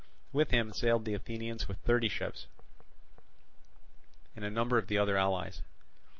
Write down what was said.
With him sailed the Athenians with thirty ships, and a number of the other allies.